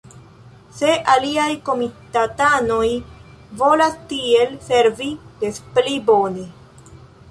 Se aliaj komitatanoj volas tiel servi, despli bone.